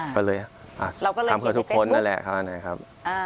ก็เลยทำเพื่อทุกคนนั่นแหละครับ